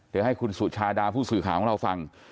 เดี๋ยวให้คุณสุชาดาผู้สื่อข่าวของเราฟัง